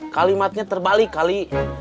kalimatnya terbalik kali